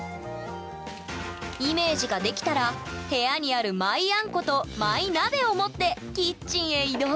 イメージが出来たら部屋にあるマイあんことマイ鍋を持ってキッチンへ移動！